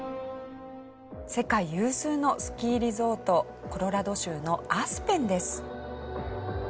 世界有数のスキーリゾートコロラド州のアスペンです。